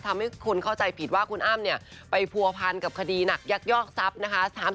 ทำให้คนเข้าใจผิดว่าคุณอ้ำเนี่ยไปผัวพันกับคดีหนักยักยอกทรัพย์นะคะ